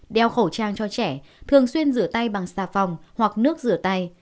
đeo khẩu trang cho trẻ thường xuyên rửa tay bằng xà phòng hoặc nước rửa tay